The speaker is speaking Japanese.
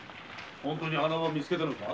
本当に穴場を見つけたのか？